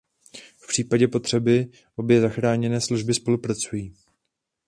V případě potřeby obě záchranné služby spolupracují.